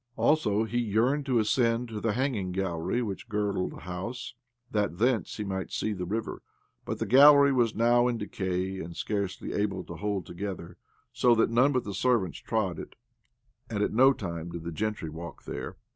Also he yearned to ascend to the hanging gallery which girdled the house, that thence he might see the river ; but the gallery was now in decay, and scarcely able to hold together, so that none but the servants trod it, and at no time did the gentry walk there.